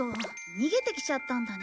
逃げてきちゃったんだね。